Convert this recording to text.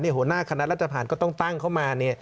หัวหน้าคณะรัฐผ่านก็ต้องตั้งเข้ามา